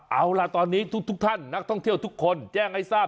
เอาล่ะตอนนี้ทุกท่านนักท่องเที่ยวทุกคนแจ้งให้ทราบ